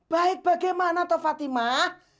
baik bagaimana fatimah